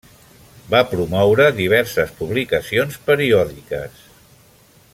Va promoure diverses publicacions periòdiques.